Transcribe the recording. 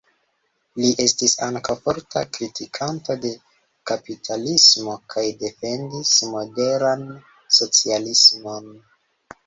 Li estis ankaŭ forta kritikanto de kapitalismo kaj defendis moderan socialismon.